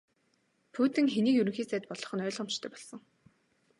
Путин хэнийг Ерөнхий сайд болгох нь ойлгомжтой болсон.